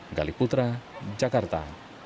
gali putra jakarta